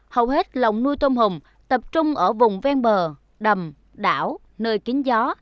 hầu hết lồng nuôi tôm hùm tập trung ở vùng ven bờ đầm đảo nơi kính gió